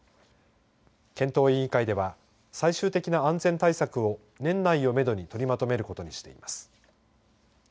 検討委員会では最終的な安全対策を年内をめどに取りまとめることにしています。